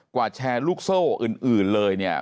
แชร์ลูกโซ่อื่นเลยเนี่ย